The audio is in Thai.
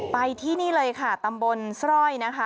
ไปที่นี่เลยค่ะตำบลสร้อยนะคะ